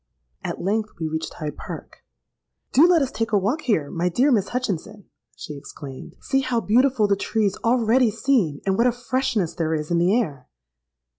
At length we reached Hyde Park. 'Do let us take a walk here, my dear Miss Hutchinson,' she exclaimed: 'see how beautiful the trees already seem; and what a freshness there is in the air!'